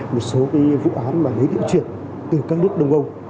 một số cái vụ án mà lấy điệu truyền từ các nước đông âu